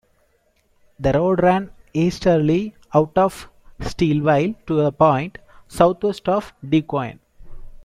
The road ran easterly out of Steeleville to a point southwest of DuQuoin.